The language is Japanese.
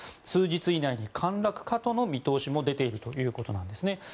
数日以内に陥落かとの見通しも出ているということです。